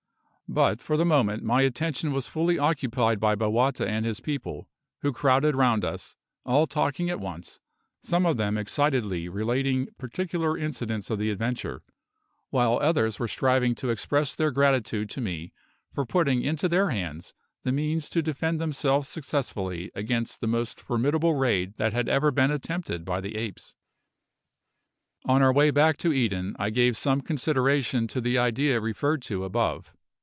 But for the moment my attention was fully occupied by Bowata and his people, who crowded round us, all talking at once, some of them excitedly relating particular incidents of the adventure, while others were striving to express their gratitude to me for putting into their hands the means to defend themselves successfully against the most formidable raid that had ever been attempted by the apes. On our way back to Eden I gave some consideration to the idea referred to above.